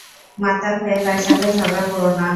মাতাল হয়ে তার সাথে ঝগড়া করো না।